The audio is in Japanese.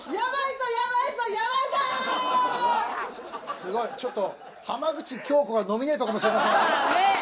すごいちょっと浜口京子がノミネートかもしれません。